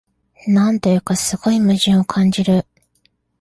なんというか、すごい矛盾を感じる